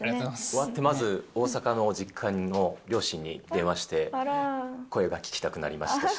終わってまず、大阪の実家の両親に電話して、声が聞きたくなりましたし。